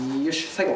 最後！